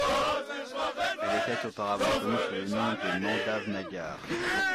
Elle était auparavant connue sous le nom de Mandav Nagar.